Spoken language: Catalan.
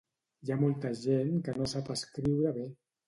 Hi ha molta gent que no sap escriure bé.